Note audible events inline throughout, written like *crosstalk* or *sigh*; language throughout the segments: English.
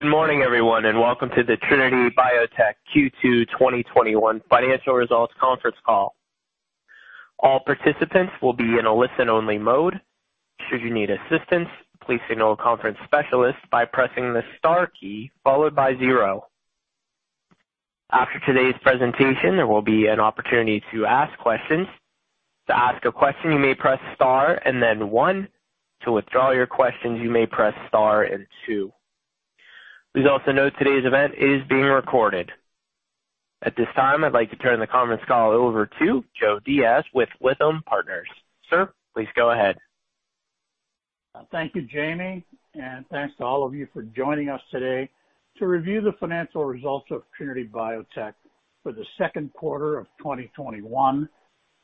Good morning, everyone, and welcome to the Trinity Biotech Q2 2021 Financial Results Conference Call. All participants will be in a listen-only mode. Should you need assistance, please feel free to contact the specialist by pressing the star key followed by zero. After today's presentation, there will be an opportunity to ask questions. To ask a question, please press star and then one. To withdraw your question, you may press star two. Please also note that today's event is being recorded. At this time, I'd like to turn the conference call over to Joe Diaz with Lytham Partners. Sir, please go ahead. Thank you, Jamie, and thanks to all of you for joining us today to review the financial results of Trinity Biotech for the second quarter of 2021,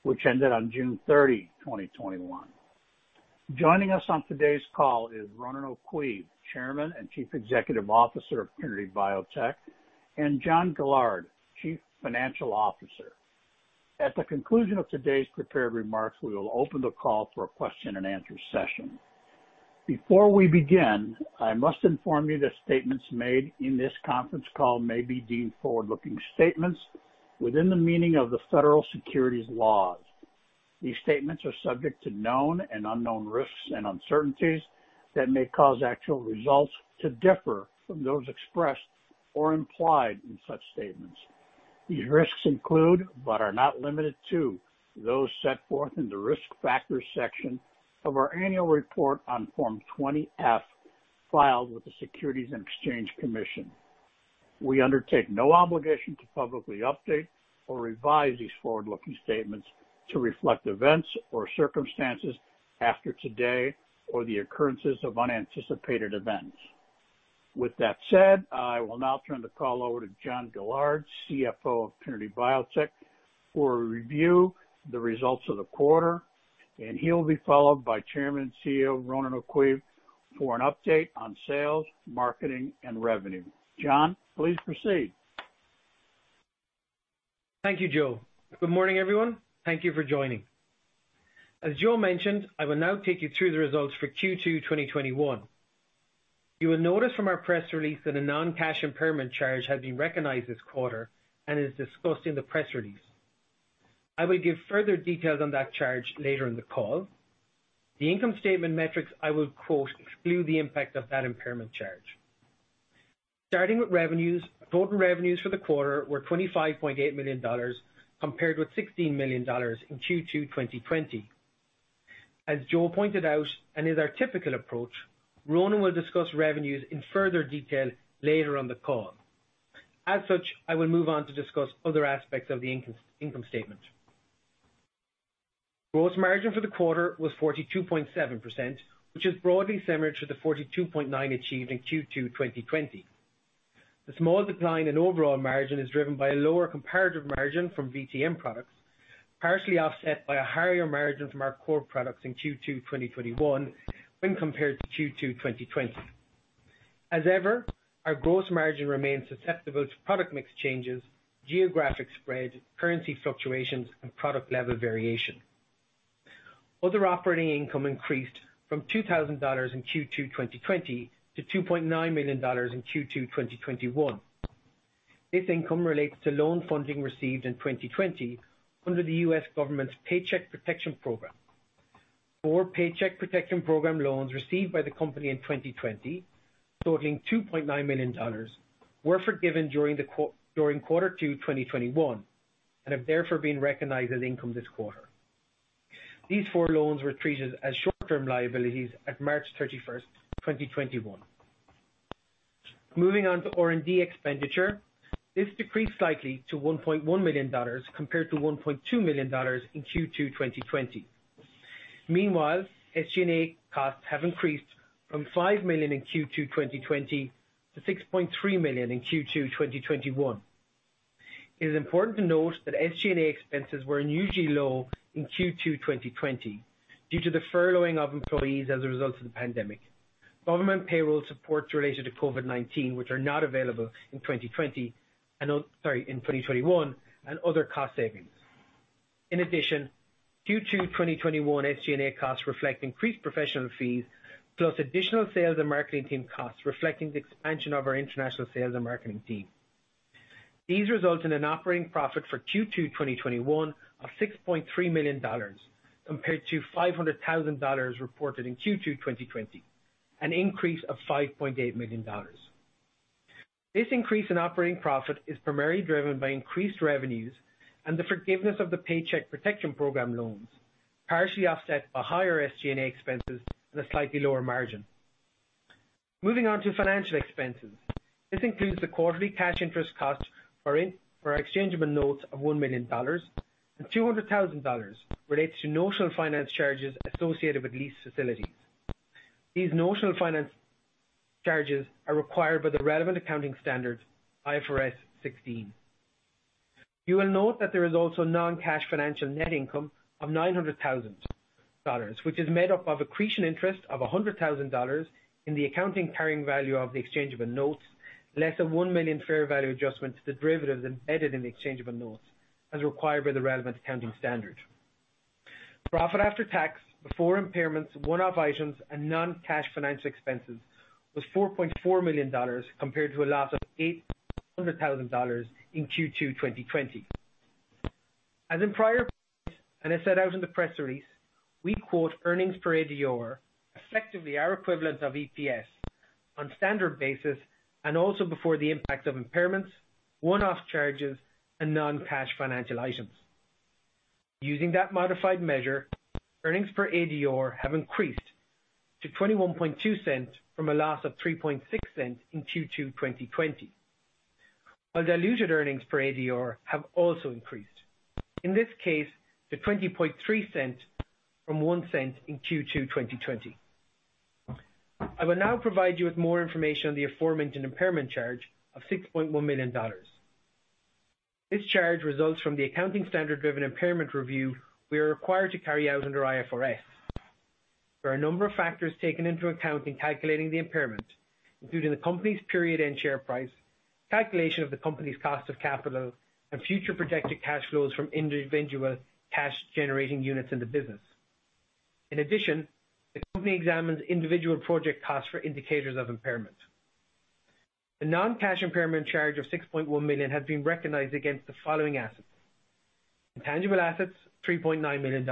which ended on June 30, 2021. Joining us on today's call is Ronan O'Caoimh, Chairman and Chief Executive Officer of Trinity Biotech, and John Gillard, Chief Financial Officer. At the conclusion of today's prepared remarks, we will open the call for a question and answer session. Before we begin, I must inform you that statements made in this conference call may be deemed forward-looking statements within the meaning of the federal securities laws. These statements are subject to known and unknown risks and uncertainties that may cause actual results to differ from those expressed or implied in such statements. These risks include, but are not limited to, those set forth in the risk factors section of our annual report on Form 20-F filed with the Securities and Exchange Commission. We undertake no obligation to publicly update or revise these forward-looking statements to reflect events or circumstances after today or the occurrences of unanticipated events. With that said, I will now turn the call over to John Gillard, CFO of Trinity Biotech, for a review the results of the quarter, and he'll be followed by Chairman and CEO, Ronan O'Caoimh, for an update on sales, marketing, and revenue. John Gillard, please proceed. Thank you, Joe. Good morning, everyone. Thank you for joining. As Joe mentioned, I will now take you through the results for Q2 2021. You will notice from our press release that a non-cash impairment charge has been recognized this quarter and is discussed in the press release. I will give further details on that charge later in the call. The income statement metrics I will quote exclude the impact of that impairment charge. Starting with revenues, total revenues for the quarter were $25.8 million, compared with $16 million in Q2 2020. As Joe pointed out, and is our typical approach, Ronan will discuss revenues in further detail later on the call. As such, I will move on to discuss other aspects of the income statement. Gross margin for the quarter was 42.7%, which is broadly similar to the 42.9% achieved in Q2 2020. The small decline in overall margin is driven by a lower comparative margin from Viral Transport Media products, partially offset by a higher margin from our core products in Q2 2021 when compared to Q2 2020. As ever, our gross margin remains susceptible to product mix changes, geographic spread, currency fluctuations, and product level variation. Other operating income increased from $2,000 in Q2 2020 to $2.9 million in Q2 2021. This income relates to loan funding received in 2020 under the U.S. government's Paycheck Protection Program. Four Paycheck Protection Program loans received by the company in 2020 totaling $2.9 million were forgiven during Quarter 2 2021, and have therefore been recognized as income this quarter. These four loans were treated as short-term liabilities at March 31st, 2021. Moving on to Research and Development expenditure. This decreased slightly to $1.1 million compared to $1.2 million in Q2 2020. Meanwhile, Selling, General and Administrative expenses costs have increased from $5 million in Q2 2020 to $6.3 million in Q2 2021. It is important to note that SG&A expenses were unusually low in Q2 2020 due to the furloughing of employees as a result of the pandemic, government payroll supports related to COVID-19, which are not available in 2021, and other cost savings. In addition, Q2 2021 SG&A costs reflect increased professional fees plus additional sales and marketing team costs reflecting the expansion of our international sales and marketing team. These result in an operating profit for Q2 2021 of $6.3 million, compared to $500,000 reported in Q2 2020, an increase of $5.8 million. This increase in operating profit is primarily driven by increased revenues and the forgiveness of the Paycheck Protection Program loans, partially offset by higher SG&A expenses and a slightly lower margin. Moving on to financial expenses. This includes the quarterly cash interest cost for our exchangeable notes of $1 million, and $200,000 relates to notional finance charges associated with lease facilities. These notional finance charges are required by the relevant accounting standards, International Financial Reporting Standards 16. You will note that there is also non-cash financial net income of $900,000, which is made up of accretion interest of $100,000 in the accounting carrying value of the exchangeable notes, less a $1 million fair value adjustment to the derivatives embedded in the exchangeable notes as required by the relevant accounting standard. Profit after tax, before impairments, one-off items, and non-cash financial expenses was $4.4 million, compared to a loss of $800,000 in Q2 2020. As in prior, and as set out in the press release, we quote earnings per American Depositary Receipt, effectively our equivalent of EPS, on standard basis and also before the impact of impairments, one-off charges, and non-cash financial items. Using that modified measure, earnings per ADR have increased to $0.212 from a loss of $0.036 in Q2 2020, while diluted earnings per ADR have also increased, in this case to $0.203 from $0.01 in Q2 2020. I will now provide you with more information on the aforementioned impairment charge of $6.1 million. This charge results from the accounting standard-driven impairment review we are required to carry out under IFRS. There are a number of factors taken into account in calculating the impairment, including the company's period end share price, calculation of the company's cost of capital, and future projected cash flows from individual cash-generating units in the business. The company examines individual project costs for indicators of impairment. The non-cash impairment charge of $6.1 million has been recognized against the following assets. Intangible assets, $3.9 million.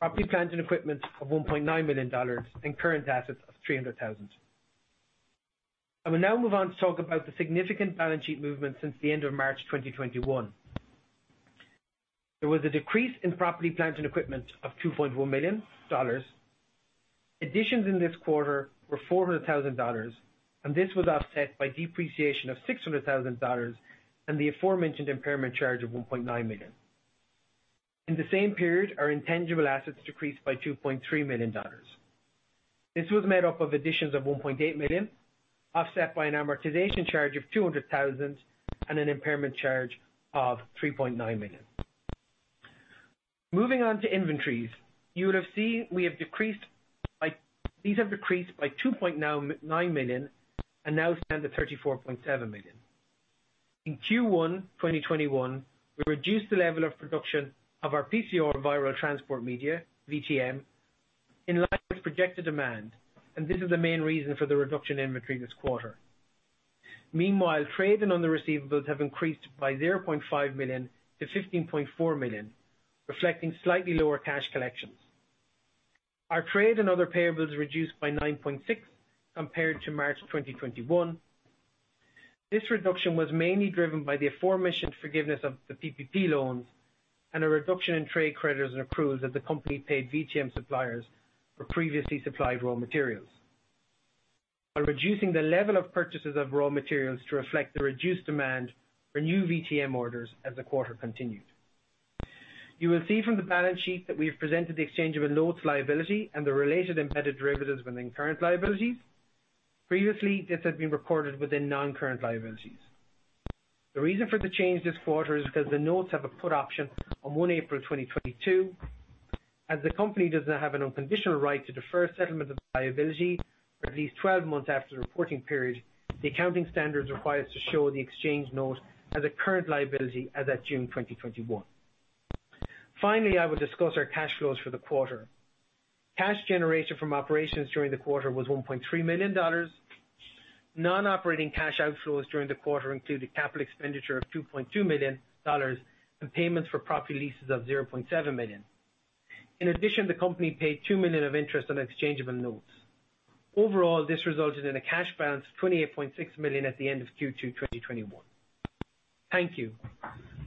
Property, plant, and equipment of $1.9 million, and current assets of $300,000. I will now move on to talk about the significant balance sheet movement since the end of March 2021. There was a decrease in property, plant, and equipment of $2.1 million. Additions in this quarter were $400,000, and this was offset by depreciation of $600,000 and the aforementioned impairment charge of $1.9 million. In the same period, our intangible assets decreased by $2.3 million. This was made up of additions of $1.8 million, offset by an amortization charge of $200,000 and an impairment charge of $3.9 million. Moving on to inventories. You would have seen these have decreased by $2.9 million and now stand at $34.7 million. In Q1 2021, we reduced the level of production of our Polymerase Chain Reaction viral transport media, VTM, in line with projected demand. This is the main reason for the reduction in inventory this quarter. Meanwhile, trade and other receivables have increased by $0.5 million-$15.4 million, reflecting slightly lower cash collections. Our trade and other payables reduced by $9.6 million compared to March 2021. This reduction was mainly driven by the aforementioned forgiveness of the PPP loans and a reduction in trade creditors and accruals that the company paid VTM suppliers for previously supplied raw materials by reducing the level of purchases of raw materials to reflect the reduced demand for new VTM orders as the quarter continued. You will see from the balance sheet that we have presented the exchangeable notes liability and the related embedded derivatives within current liabilities. Previously, this had been recorded within non-current liabilities. The reason for the change this quarter is because the notes have a put option on 1 April 2022. As the company does not have an unconditional right to defer settlement of liability for at least 12 months after the reporting period, the accounting standards require us to show the exchange note as a current liability as at June 2024. Finally, I will discuss our cash flows for the quarter. Cash generation from operations during the quarter was $1.3 million. Non-operating cash outflows during the quarter include a capital expenditure of $2.2 million and payments for property leases of $0.7 million. In addition, the company paid $2 million of interest on exchangeable notes. Overall, this resulted in a cash balance of $28.6 million at the end of Q2 2021. Thank you.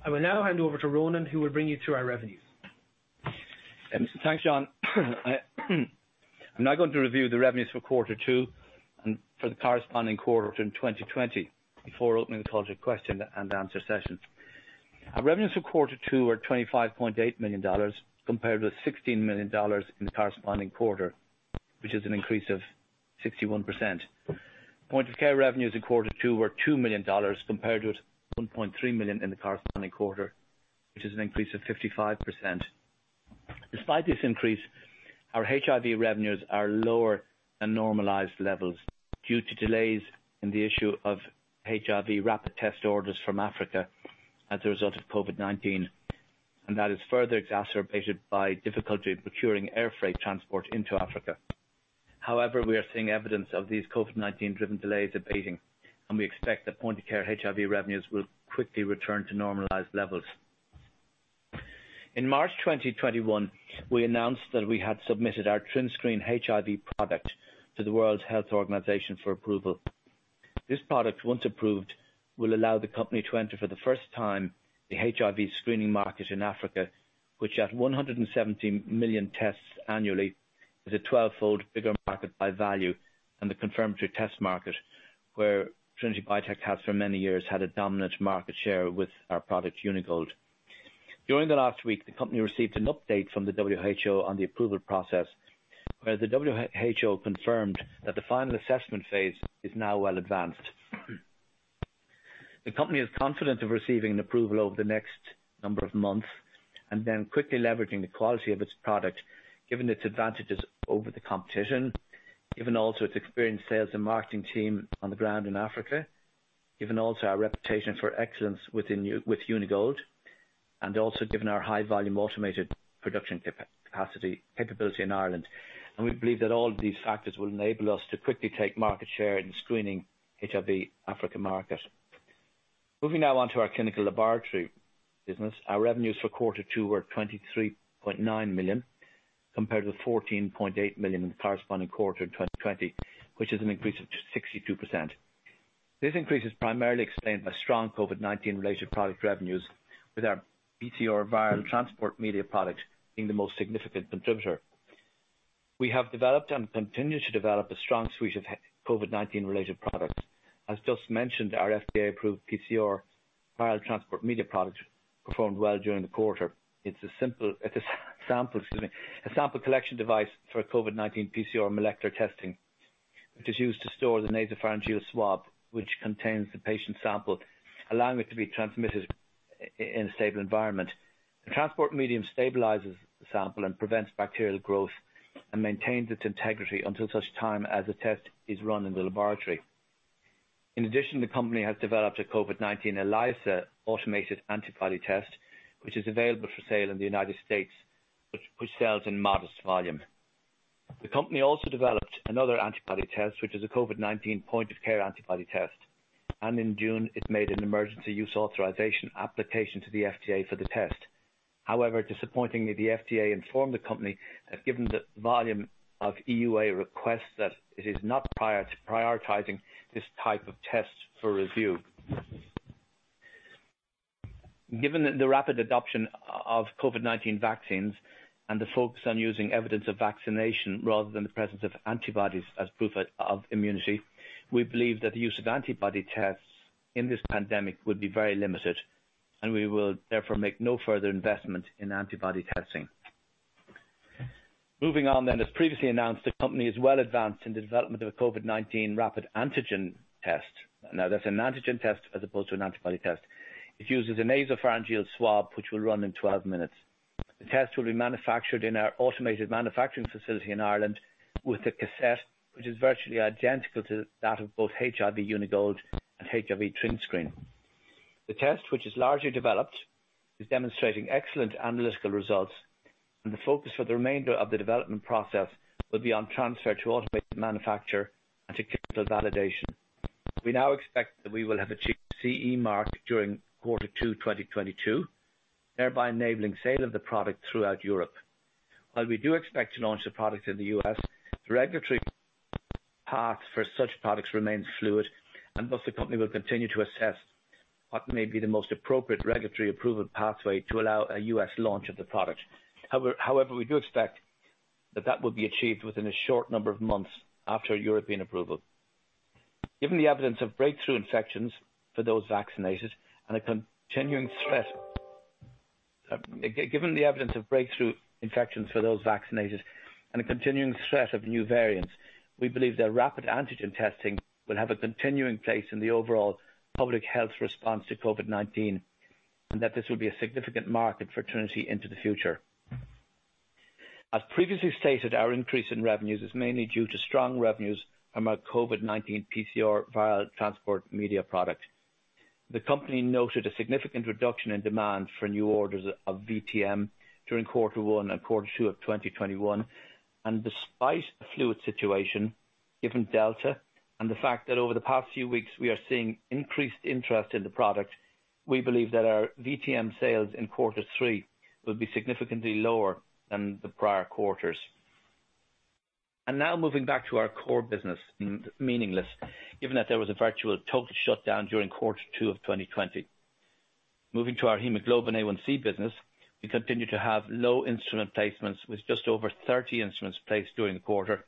I will now hand over to Ronan O'Caoimh, who will bring you through our revenues. Thanks, John. I'm now going to review the revenues for quarter two and for the corresponding quarter in 2020 before opening the call to question and answer session. Our revenues for quarter two are $25.8 million, compared with $16 million in the corresponding quarter, which is an increase of 61%. Point of Care revenues in quarter two were $2 million, compared with $1.3 million in the corresponding quarter, which is an increase of 55%. Despite this increase, our Human Immunodeficiency Virus revenues are lower than normalized levels due to delays in the issue of HIV rapid test orders from Africa as a result of COVID-19. That is further exacerbated by difficulty procuring air freight transport into Africa. However, we are seeing evidence of these COVID-19 driven delays abating, and we expect that Point of Care HIV revenues will quickly return to normalized levels. In March 2021, we announced that we had submitted our TrinScreen HIV product to the World Health Organization for approval. This product, once approved, will allow the company to enter for the first time the HIV screening market in Africa, which at 117 million tests annually, is a 12-fold bigger market by value than the confirmatory test market, where Trinity Biotech has for many years had a dominant market share with our product Uni-Gold. During the last week, the company received an update from the WHO on the approval process, where the WHO confirmed that the final assessment phase is now well advanced. The company is confident of receiving an approval over the next number of months and then quickly leveraging the quality of its product, given its advantages over the competition, given also its experienced sales and marketing team on the ground in Africa. Given also our reputation for excellence with Uni-Gold, and also given our high volume automated production capacity capability in Ireland. We believe that all these factors will enable us to quickly take market share in screening HIV Africa market. Moving now on to our clinical laboratory business. Our revenues for quarter two were $23.9 million, compared to $14.8 million in the corresponding quarter in 2020, which is an increase of 62%. This increase is primarily explained by strong COVID-19 related product revenues, with our PCR viral transport media product being the most significant contributor. We have developed and continue to develop a strong suite of COVID-19 related products. As just mentioned, our FDA approved PCR viral transport media products performed well during the quarter. It's a sample collection device for COVID-19 PCR molecular testing, which is used to store the nasopharyngeal swab, which contains the patient sample, allowing it to be transmitted in a stable environment. The transport medium stabilizes the sample and prevents bacterial growth and maintains its integrity until such time as a test is run in the laboratory. In addition, the company has developed a COVID-19 ELISA automated antibody test, which is available for sale in the United States, which sells in modest volume. The company also developed another antibody test, which is a COVID-19 point-of-care antibody test, and in June, it made an emergency use authorization application to the FDA for the test. Disappointingly, the Food and Drug Administration informed the company that given the volume of Emergency Use Authorization requests, that it is not prioritizing this type of test for review. Given the rapid adoption of COVID-19 vaccines and the focus on using evidence of vaccination rather than the presence of antibodies as proof of immunity, we believe that the use of antibody tests in this pandemic would be very limited, and we will therefore make no further investment in antibody testing. Moving on then. As previously announced, the company is well advanced in the development of a COVID-19 rapid antigen test. That's an antigen test as opposed to an antibody test. It uses a nasopharyngeal swab, which will run in 12 minutes. The test will be manufactured in our automated manufacturing facility in Ireland with a cassette, which is virtually identical to that of both HIV Uni-Gold and HIV TrinScreen. The test, which is largely developed, is demonstrating excellent analytical results, and the focus for the remainder of the development process will be on transfer to automated manufacture and to clinical validation. We now expect that we will have achieved CE Mark during Q2 2022, thereby enabling sale of the product throughout Europe. While we do expect to launch the product in the U.S., the regulatory paths for such products remains fluid, and thus the company will continue to assess what may be the most appropriate regulatory approval pathway to allow a U.S. launch of the product. However, we do expect that that will be achieved within a short number of months after European approval. Given the evidence of breakthrough infections for those vaccinated and a continuing threat of new variants, we believe that rapid antigen testing will have a continuing place in the overall public health response to COVID-19, and that this will be a significant market for Trinity into the future. As previously stated, our increase in revenues is mainly due to strong revenues from our COVID-19 PCR viral transport media product. The company noted a significant reduction in demand for new orders of VTM during quarter one and quarter two of 2021. Despite a fluid situation, given Delta and the fact that over the past few weeks we are seeing increased interest in the product, we believe that our VTM sales in quarter three will be significantly lower than the prior quarters. Now moving back to our core business, meaningless, given that there was a virtual total shutdown during Q2 2020. Moving to our hemoglobin A1c business, we continue to have low instrument placements with just over 30 instruments placed during the quarter,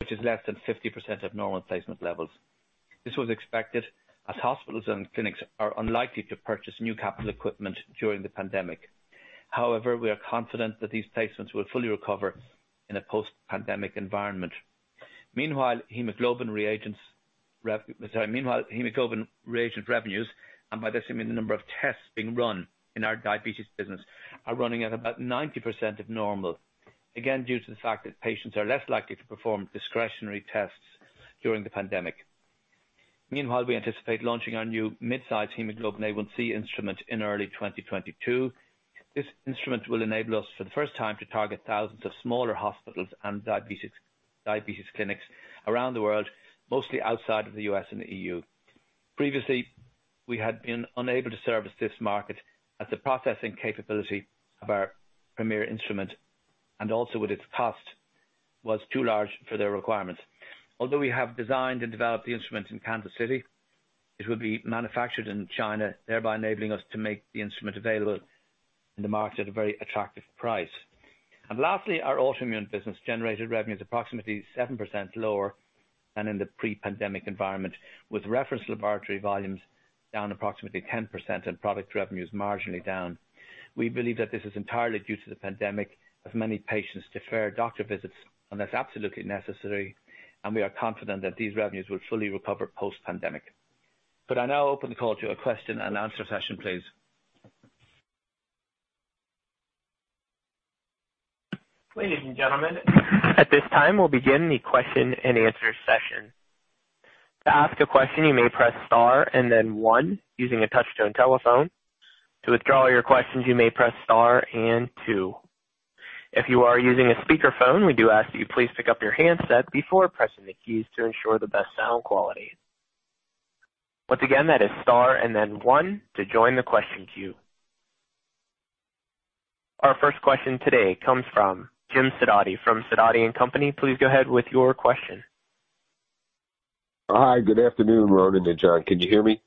which is less than 50% of normal placement levels. This was expected as hospitals and clinics are unlikely to purchase new capital equipment during the pandemic. However, we are confident that these placements will fully recover in a post-pandemic environment. Meanwhile, hemoglobin reagent revenues, and by this I mean the number of tests being run in our diabetes business, are running at about 90% of normal, again, due to the fact that patients are less likely to perform discretionary tests during the pandemic. Meanwhile, we anticipate launching our new mid-size hemoglobin A1c instrument in early 2022. This instrument will enable us for the first time to target thousands of smaller hospitals and diabetes clinics around the world, mostly outside of the U.S. and the E.U. Previously, we had been unable to service this market as the processing capability of our Premier instrument, and also with its cost, was too large for their requirements. Although we have designed and developed the instrument in Kansas City, it will be manufactured in China, thereby enabling us to make the instrument available in the market at a very attractive price. Lastly, our autoimmune business generated revenues approximately 7% lower than in the pre-pandemic environment, with reference laboratory volumes down approximately 10% and product revenues marginally down. We believe that this is entirely due to the pandemic, as many patients defer doctor visits unless absolutely necessary, and we are confident that these revenues will fully recover post pandemic. Could I now open the call to a question and answer session, please? Ladies and gentlemen, at this time, we'll begin the question and answer session. To ask a question, you may press star and then one using a touch-tone telephone. To withdraw your questions, you may press star and two. If you are using a speakerphone, we do ask that you please pick up your handset before pressing the keys to ensure the best sound quality. Once again, that is star and then one to join the question queue. Our first question today comes from Jim Sidoti from Sidoti & Company. Please go ahead with your question. Hi. Good afternoon, Ronan and John. Can you hear me?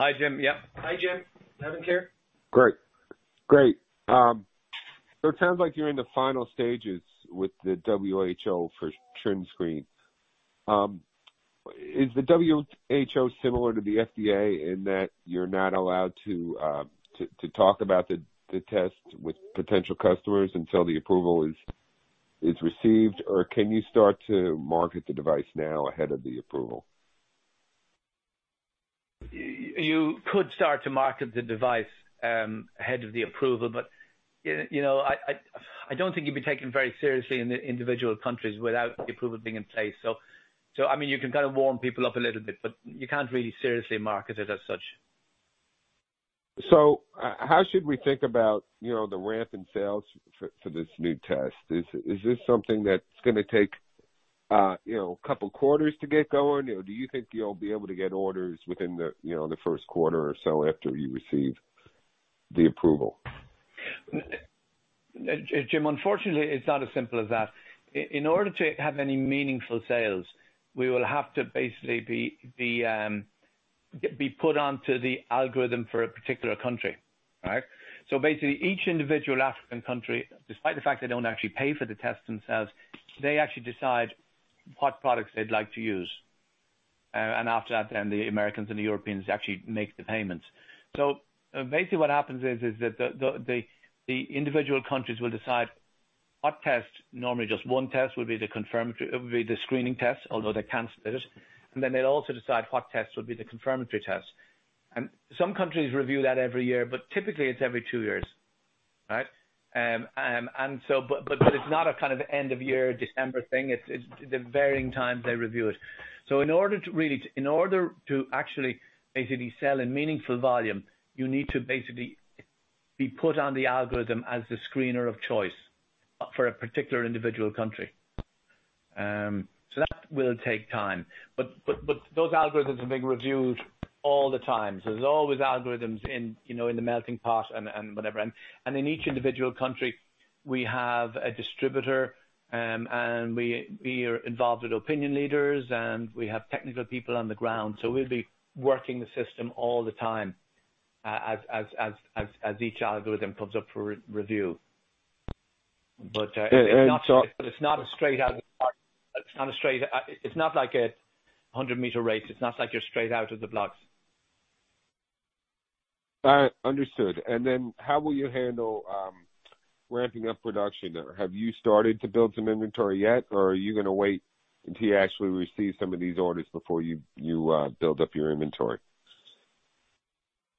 Hi, Jim. Yep. Hi, Jim. Kevin here. Great. It sounds like you're in the final stages with the WHO for TrinScreen. Is the WHO similar to the FDA in that you're not allowed to talk about the test with potential customers until the approval is received? Or can you start to market the device now ahead of the approval? You could start to market the device ahead of the approval, but I don't think you'd be taken very seriously in the individual countries without the approval being in place. You can kind of warm people up a little bit, but you can't really seriously market it as such. How should we think about the ramp in sales for this new test? Is this something that's going to take a couple quarters to get going? Do you think you'll be able to get orders within the first quarter or so after you receive the approval? Jim, unfortunately, it's not as simple as that. In order to have any meaningful sales, we will have to basically be put onto the algorithm for a particular country. Right? Basically, each individual African country, despite the fact they don't actually pay for the tests themselves, they actually decide what products they'd like to use. After that, then the Americans and the Europeans actually make the payments. Basically, what happens is that the individual countries will decide what test, normally just one test, it would be the screening test, although they can split it, and then they'd also decide what test would be the confirmatory test. Some countries review that every year, but typically it's every two years. Right? It's not a kind of end of year, December thing. It's the varying times they review it. In order to actually basically sell in meaningful volume, you need to basically be put on the algorithm as the screener of choice for a particular individual country. That will take time. Those algorithms are being reviewed all the time. There's always algorithms in the melting pot and whatever. In each individual country, we have a distributor, and we are involved with opinion leaders, and we have technical people on the ground. We'll be working the system all the time, as each algorithm comes up for review. *crosstalk* It's not a straight out. It's not like a 100 m race. It's not like you're straight out of the blocks. All right. Understood. How will you handle ramping up production? Have you started to build some inventory yet, or are you going to wait until you actually receive some of these orders before you build up your inventory?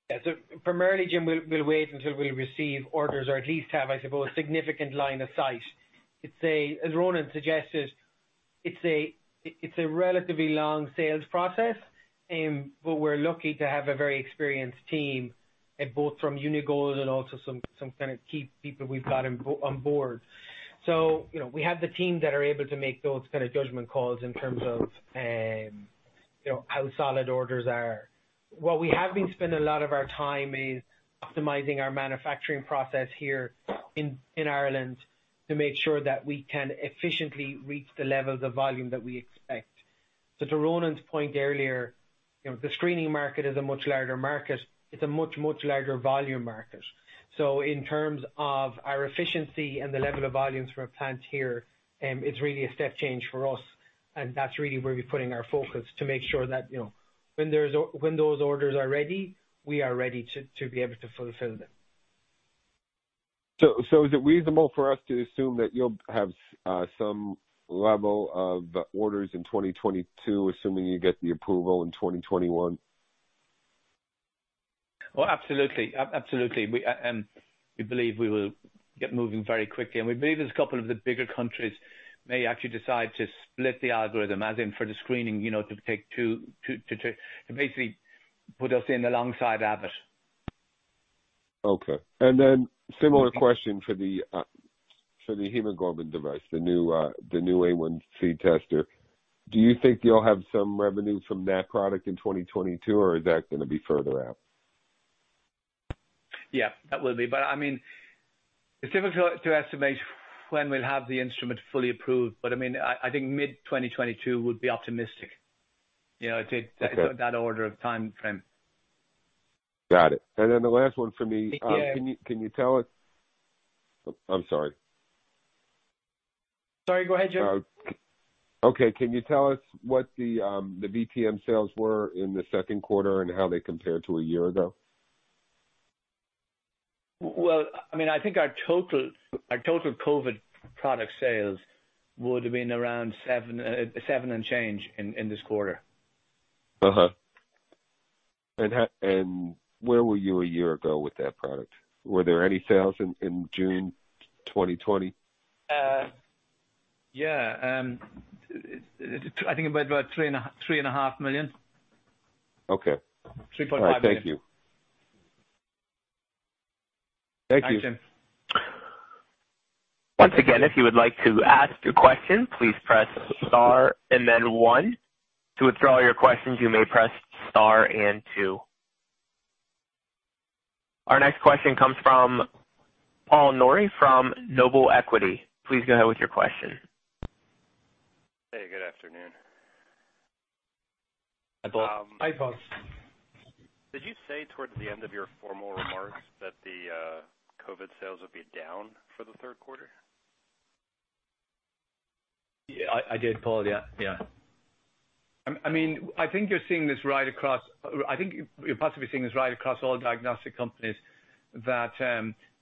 Yeah. Primarily, Jim, we'll wait until we receive orders or at least have, I suppose, significant line of sight. As Ronan suggested, it's a relatively long sales process, but we're lucky to have a very experienced team, both from Uni-Gold and also some kind of key people we've got on board. We have the team that are able to make those kind of judgment calls in terms of how solid orders are. Where we have been spending a lot of our time is optimizing our manufacturing process here in Ireland to make sure that we can efficiently reach the levels of volume that we expect. To Ronan's point earlier, the screening market is a much larger market. It's a much larger volume market. In terms of our efficiency and the level of volumes from our plant here, it's really a step change for us, and that's really where we're putting our focus to make sure that, when those orders are ready, we are ready to be able to fulfill them. Is it reasonable for us to assume that you'll have some level of orders in 2022, assuming you get the approval in 2021? Oh, absolutely. We believe we will get moving very quickly, and we believe there's a couple of the bigger countries may actually decide to split the algorithm, as in for the screening, to basically put us in alongside Abbott. Okay. Similar question for the hemoglobin A1c device, the new A1c tester. Do you think you will have some revenue from that product in 2022, or is that going to be further out? Yeah, that will be. It's difficult to estimate when we'll have the instrument fully approved, but I think mid-2022 would be optimistic. That order of timeframe. Got it. The last one for me. Yeah. Can you tell us I'm sorry. Sorry. Go ahead, Jim. Okay. Can you tell us what the VTM sales were in the second quarter and how they compare to a year ago? Well, I think our total COVID product sales would've been around $7 and change in this quarter. Where were you a year ago with that product? Were there any sales in June 2020? Yeah. I think about $3.5 million. Okay. $3.5 million. All right, thank you. Thank you. Thanks, Jim. Once again, if you would like to ask a question, please press star and then one. To withdraw your questions, you may press star and two. Our next question comes from Paul Nouri from Noble Equity. Please go ahead with your question. Hey, good afternoon. Hi, Paul. Did you say towards the end of your formal remarks that the COVID sales will be down for the third quarter? Yeah, I did, Paul. I think you're possibly seeing this right across all diagnostic companies, that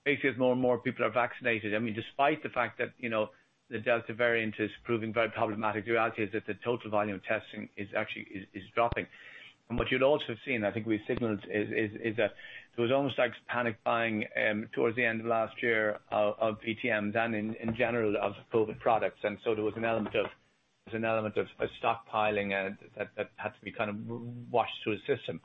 basically as more and more people are vaccinated, despite the fact that the Delta variant is proving very problematic, the reality is that the total volume of testing actually is dropping. What you'd also have seen, I think we signaled, is that there was almost like panic buying towards the end of last year of VTMs and in general of COVID products. There was an element of stockpiling that had to be kind of washed through the system.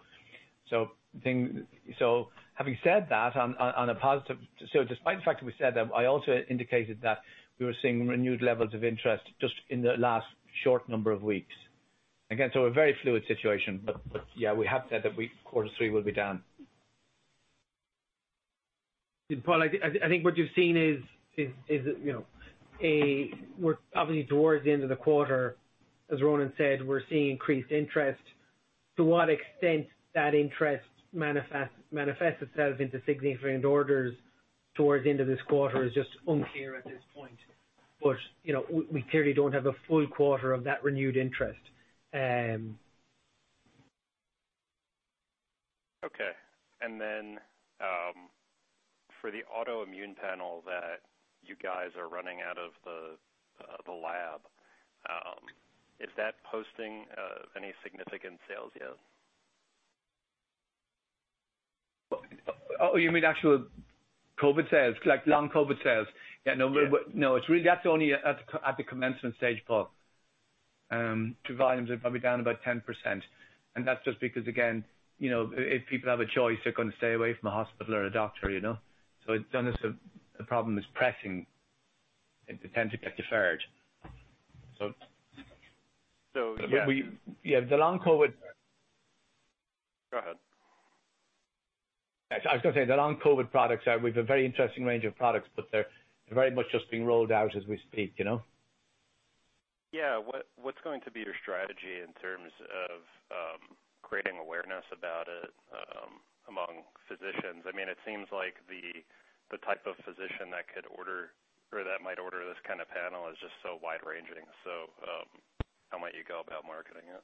Having said that, despite the fact that we said that, I also indicated that we were seeing renewed levels of interest just in the last short number of weeks. Again, a very fluid situation, yeah, we have said that quarter three will be down. Paul, I think what you've seen is we're obviously towards the end of the quarter, as Ronan said, we're seeing increased interest. To what extent that interest manifests itself into significant orders towards the end of this quarter is just unclear at this point. We clearly don't have a full quarter of that renewed interest. Okay. Then for the autoimmune panel that you guys are running out of the lab, is that posting any significant sales yet? Oh, you mean actual COVID sales, like long COVID sales? Yeah. No, that's only at the commencement stage, Paul. Volumes are probably down about 10%. That's just because, again, if people have a choice, they're going to stay away from a hospital or a doctor. It's almost the problem is pressing. They tend to get deferred. *crosstalk* The long COVID-19. Go ahead. I was going to say, the long COVID products, we've a very interesting range of products, but they're very much just being rolled out as we speak. Yeah. What's going to be your strategy in terms of creating awareness about it among physicians? It seems like the type of physician that might order this kind of panel is just so wide-ranging. How might you go about marketing it?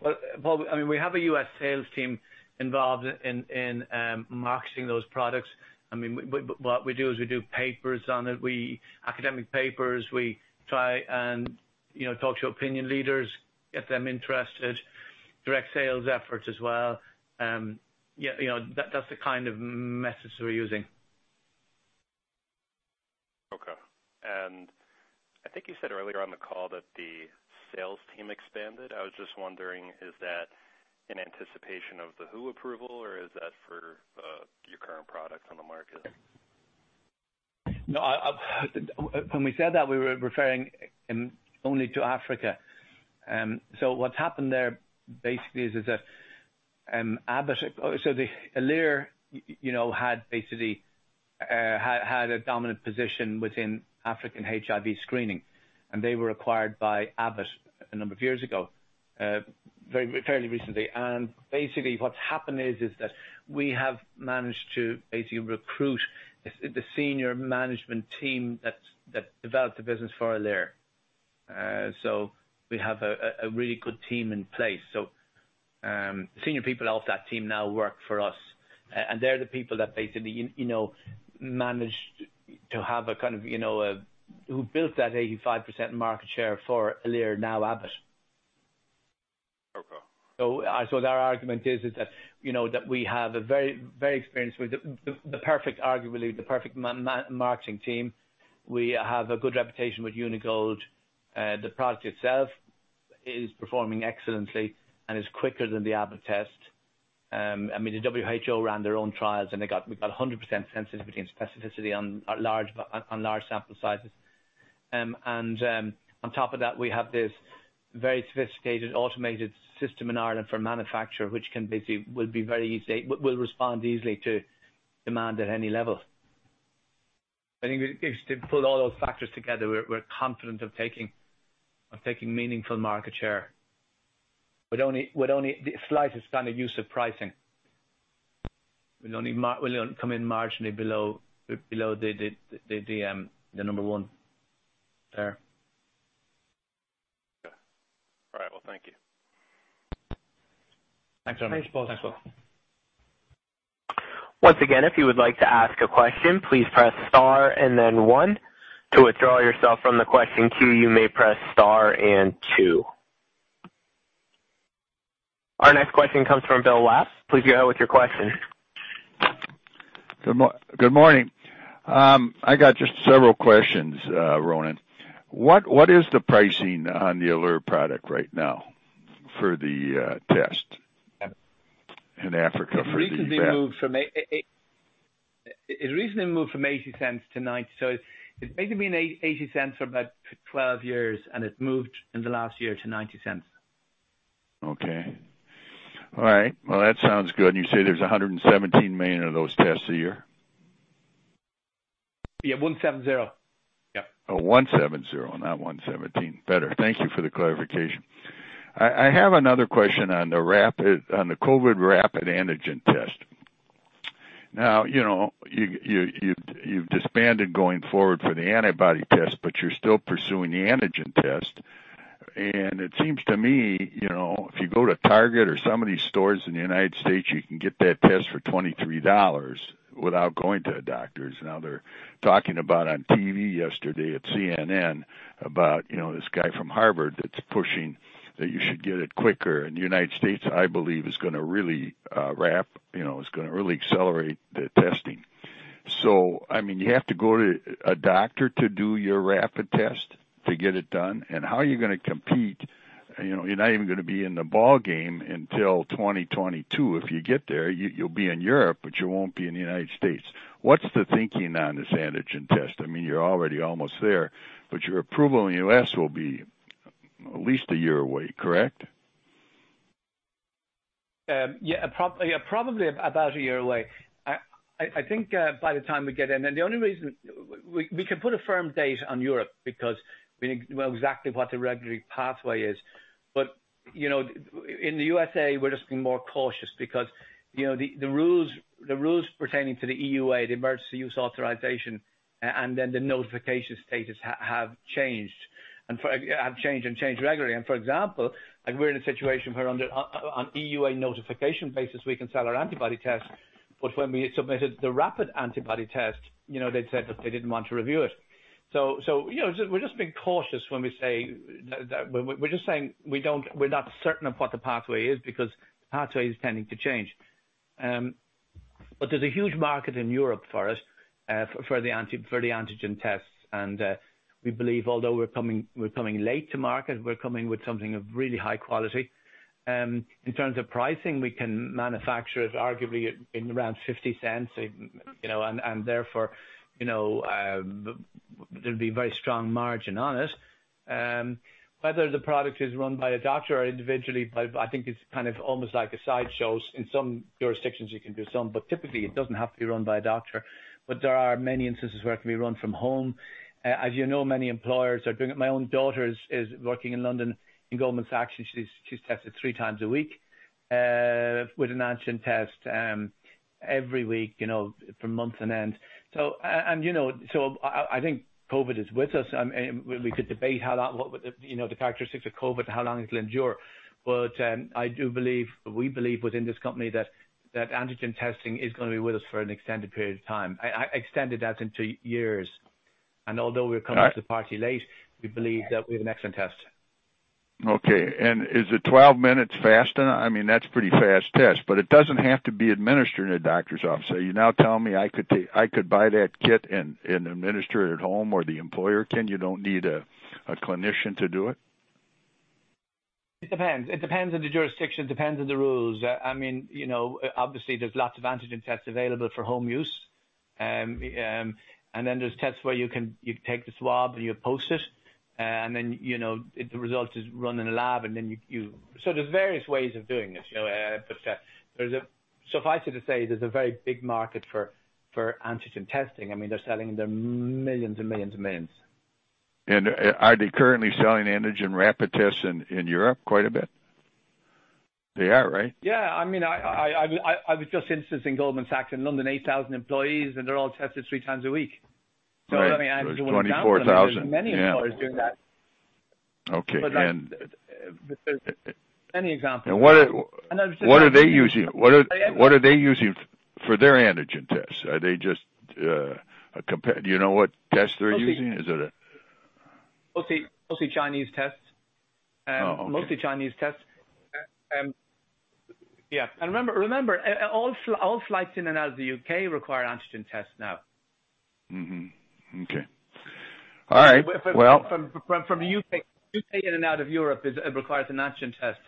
Well, Paul, we have a U.S. sales team involved in marketing those products. What we do is we do papers on it, academic papers. We try and talk to opinion leaders, get them interested, direct sales efforts as well. That's the kind of methods we're using. Okay. I think you said earlier on the call that the sales team expanded. I was just wondering, is that in anticipation of the WHO approval, or is that for your current products on the market? No, when we said that, we were referring only to Africa. What's happened there basically is Alere had a dominant position within African HIV screening, and they were acquired by Abbott a number of years ago, fairly recently. Basically, what's happened is that we have managed to basically recruit the senior management team that developed the business for Alere. We have a really good team in place. Senior people off that team now work for us, and they're the people who built that 85% market share for Alere, now Abbott. Okay. Our argument is that we have, arguably, the perfect marketing team. We have a good reputation with Uni-Gold. The product itself is performing excellently and is quicker than the Abbott test. The WHO ran their own trials, and we've got 100% sensitivity and specificity on large sample sizes. On top of that, we have this very sophisticated, automated system in Ireland for manufacture, which will respond easily to demand at any level. I think if you pull all those factors together, we're confident of taking meaningful market share with only the slightest kind of use of pricing. We'll only come in marginally below the number one there. Okay. All right. Well, thank you. Thanks, Paul. Thanks, Paul Once again, if you would like to ask a question, please press star and then one. To withdraw yourself from the question queue, you may press star and two. Our next question comes from Bill Laps. Please go ahead with your question. Good morning. I got just several questions, Ronan. What is the pricing on the Alere product right now for the test in Africa for example? It recently moved from $0.80-$0.90. It's basically been $0.80 for about 12 years, and it moved in the last year to $0.90. Okay. All right. Well, that sounds good. You say there's $117 million of those tests a year? Yeah. 170. Yep 170, not 117. Better. Thank you for the clarification. I have another question on the COVID rapid antigen test. You've disbanded going forward for the antibody test, but you're still pursuing the antigen test. It seems to me, if you go to Target or some of these stores in the U.S., you can get that test for $23 without going to a doctor's. They're talking about on TV yesterday at CNN about this guy from Harvard that's pushing that you should get it quicker. The U.S., I believe, is going to really accelerate the testing. You have to go to a doctor to do your rapid test to get it done, and how are you going to compete? You're not even going to be in the ball game until 2022. If you get there, you'll be in Europe, but you won't be in the U.S. What's the thinking on this antigen test? You're already almost there, but your approval in the U.S. will be at least a year away, correct? Yeah, probably about a year away. I think, by the time we get in. The only reason we can put a firm date on Europe because we know exactly what the regulatory pathway is. In the U.S.A., we're just being more cautious because the rules pertaining to the EUA, the emergency use authorization, and then the notification status have changed and change regularly. For example, we're in a situation where on EUA notification basis, we can sell our antibody test, but when we submitted the rapid antibody test, they said that they didn't want to review it. We're just being cautious when we say, we're not certain of what the pathway is because the pathway is tending to change. There's a huge market in Europe for it, for the antigen tests. We believe although we're coming late to market, we're coming with something of really high quality. In terms of pricing, we can manufacture it arguably in around $0.50, and therefore, there'll be very strong margin on it. Whether the product is run by a doctor or individually, but I think it's kind of almost like a sideshow. In some jurisdictions, you can do some, but typically it doesn't have to be run by a doctor. There are many instances where it can be run from home. As you know, many employers are doing it. My own daughter is working in London in Goldman Sachs, and she's tested 3x a week, with an antigen test, every week, for months on end. I think COVID is with us. We could debate the characteristics of COVID, how long it'll endure. I do believe, we believe within this company that antigen testing is going to be with us for an extended period of time. I extended that into years *crosstalk* to the party late, we believe that we have an excellent test. Okay. Is it 12 minutes fast enough? That's pretty fast test, but it doesn't have to be administered in a doctor's office. You're now telling me I could buy that kit and administer it at home, or the employer can. You don't need a clinician to do it? It depends. It depends on the jurisdiction. Depends on the rules. Obviously, there's lots of antigen tests available for home use. There's tests where you take the swab and you post it, and then the result is run in a lab. There's various ways of doing it. Suffice it to say, there's a very big market for antigen testing. They're selling in the millions and millions and millions. Are they currently selling antigen rapid tests in Europe quite a bit? They are, right? Yeah. I was just instancing Goldman Sachs in London, 8,000 employees, and they're all tested three times a week. Right. There's 24,000. Yeah. That's one example. I mean, there's many employers doing that. Okay. There's many examples. What are they using for their antigen tests? Do you know what tests they're using? Mostly Chinese tests. Oh, okay. Mostly Chinese tests. Yeah. Remember, all flights in and out of the U.K. require antigen tests now. Okay. All right. From the U.K. in and out of Europe, it requires an antigen test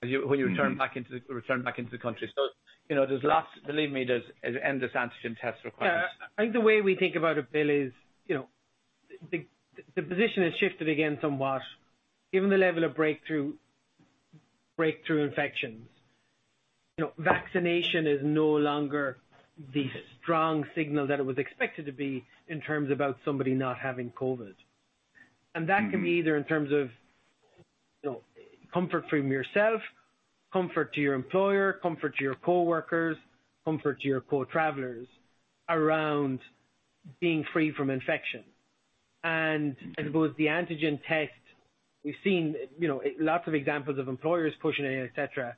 when you return back into the country. Believe me, there's endless antigen test requirements. I think the way we think about it, Bill, is the position has shifted again somewhat given the level of breakthrough infections. Vaccination is no longer the strong signal that it was expected to be in terms about somebody not having COVID. That can be either in terms of comfort from yourself, comfort to your employer, comfort to your coworkers, comfort to your co-travelers around being free from infection. I suppose the antigen test, we've seen lots of examples of employers pushing it, et cetera,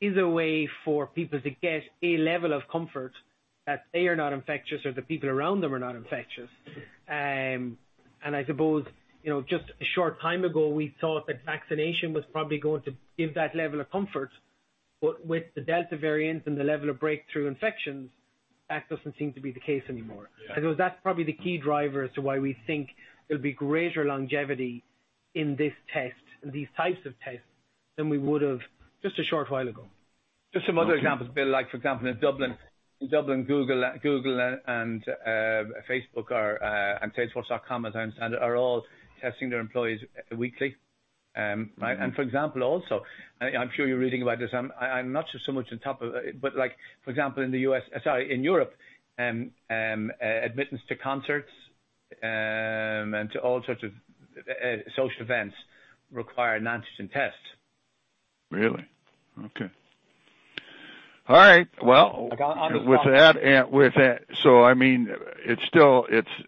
is a way for people to get a level of comfort that they are not infectious or the people around them are not infectious. I suppose, just a short time ago, we thought that vaccination was probably going to give that level of comfort. With the Delta variant and the level of breakthrough infections, that doesn't seem to be the case anymore. Yeah. I suppose that's probably the key driver as to why we think there'll be greater longevity in this test, in these types of tests, than we would've just a short while ago. Just some other examples, Bill, like for example, in Dublin. In Dublin, Google and Facebook are, and Salesforce.com, as I understand, are all testing their employees weekly. For example, also, I'm sure you're reading about this. For example, in the U.S., sorry, in Europe, admittance to concerts and to all sorts of social events require an antigen test. Really? Okay. All right. *crosstalk* With that,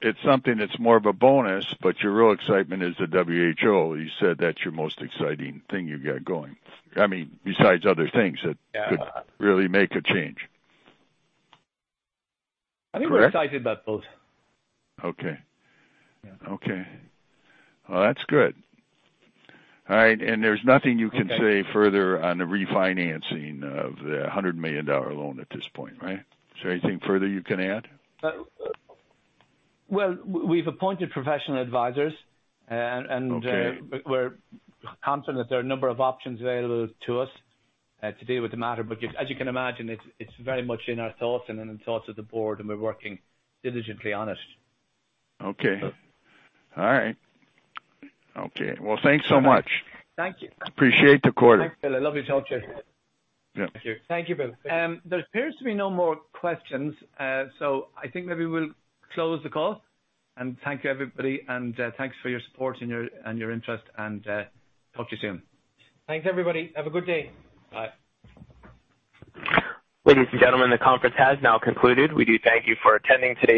it's something that's more of a bonus, but your real excitement is the WHO. You said that's your most exciting thing you've got going could really make a change. I think we're excited about both. Okay. Okay. Well, that's good. All right, there's nothing you can say further on the refinancing of the $100 million loan at this point, right? Is there anything further you can add? Well, we've appointed professional advisors. Okay. We're confident there are a number of options available to us to deal with the matter. As you can imagine, it's very much in our thoughts and in the thoughts of the board, and we're working diligently on it. Okay. All right. Okay. Well, thanks so much. Thank you. Appreciate the call. Thanks, Bill. Lovely to talk to you. Yeah. Thank you. Thank you, Bill. There appears to be no more questions. I think maybe we'll close the call. Thank you, everybody, and thanks for your support and your interest, and talk to you soon. Thanks, everybody. Have a good day. Bye. Ladies and gentlemen, the conference has now concluded. We do thank you for attending today.